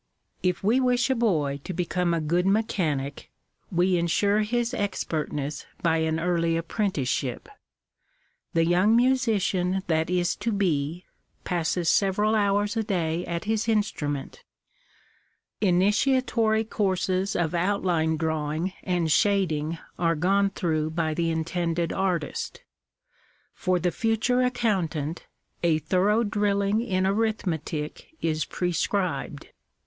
If we wish a boy to become a good mechanic, we ensure his expertness by an early apprenticeship. The young musician that is to be, passes several hours a day at his instrument. Digitized by VjOOQIC y THE RIGHTS OF CHILDREN. 185 Initiatory courses of outline drawing and shading are gone through by the intended artist. For the future accountant, a thorough drilling in arithmetic is prescribed.